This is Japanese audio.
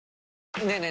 ねえねえ